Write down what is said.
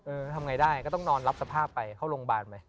ทำไงได้ก็ต้องนอนรับสภาพไปเข้าโรงพยาบาลไป